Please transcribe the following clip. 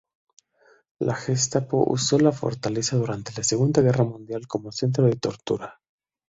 La Gestapo usó la fortaleza durante la Segunda Guerra Mundial como centro de tortura.